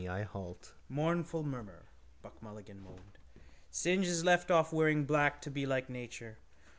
I halt. —Mournful mummer, Buck Mulligan moaned. Synge has left off wearing black to be like nature.